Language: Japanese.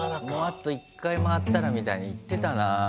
あと１回、回ったらみたいに言ってたなぁ。